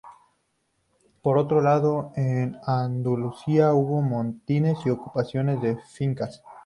Por otro lado en Andalucía hubo motines y ocupaciones de fincas.